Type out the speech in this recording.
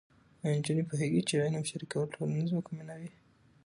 ایا نجونې پوهېږي چې علم شریکول ټولنه ځواکمنوي؟